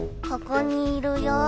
ここにいるよ。